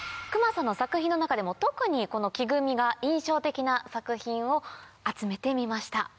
隈さんの作品の中でも特にこの木組みが印象的な作品を集めてみました。